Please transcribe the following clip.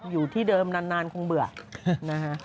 อยู่ที่เดิมนานคงเบื่อนะฮะ